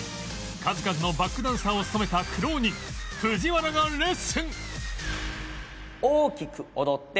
数々のバックダンサーを務めた苦労人藤原がレッスン